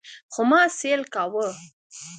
خو ما سيل کاوه.